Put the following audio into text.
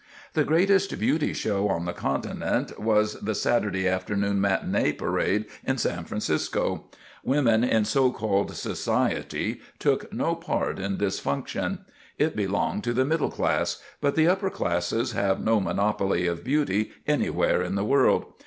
The greatest beauty show on the continent was the Saturday afternoon matinee parade in San Francisco. Women in so called "society" took no part in this function. It belonged to the middle class, but the "upper classes" have no monopoly of beauty anywhere in the world.